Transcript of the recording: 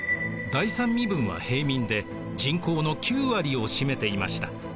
第三身分は平民で人口の９割を占めていました。